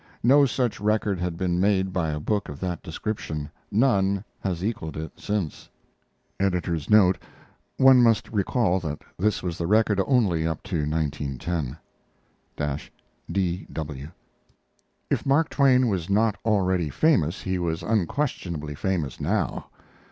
No such record had been made by a book of that description; none has equaled it since. [One must recall that this was the record only up to 1910. D.W.] If Mark Twain was not already famous, he was unquestionably famous now.